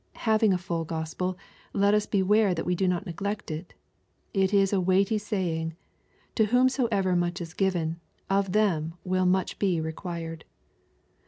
Having a full Gospel, let us beware that we do not neglect it. It is a weighty saying, " To whomsoever much is given, of them will much be requhed."